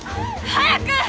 早く！